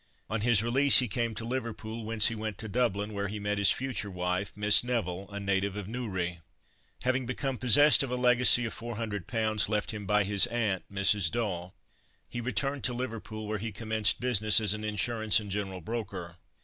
On his release he came to Liverpool, whence he went to Dublin, where he met his future wife, Miss Neville, a native of Newry. Having become possessed of a legacy of 400 pounds, left him by his aunt, Mrs. Daw, he returned to Liverpool, where he commenced business as an Insurance and General Broker.